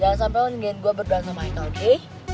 jangan sampe lo ngingetin gua berbual sama aika oke